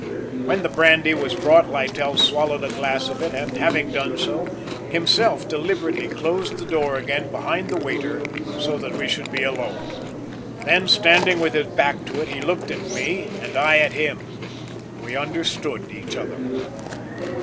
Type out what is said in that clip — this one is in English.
When the brandy was brought, Littell swallowed a glass of it and, having done so, himself deliberately closed the door again behind the waiter, so that we should be alone. Then standing with his back to it, he looked at me and I at him. We understood each other.